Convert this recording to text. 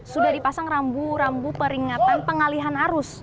sudah dipasang rambu rambu peringatan pengalihan arus